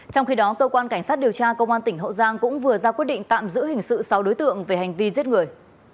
trong khi đó cơ quan cảnh sát điều tra công an tỉnh hậu giang cũng vừa ra quyết định tạm giữ hình sự sáu đối tượng về hành vi giết người